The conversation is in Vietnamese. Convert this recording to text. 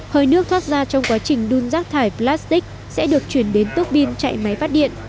hơi nước thoát ra trong quá trình đun rác thải plastic sẽ được chuyển đến tuốc pin chạy máy phát điện